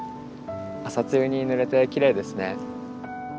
朝露にぬれてきれいですね。